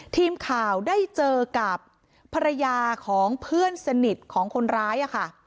ทีมข่าวได้เจอกับภรรยาของเพื่อนสนิทของคนร้ายค่ะ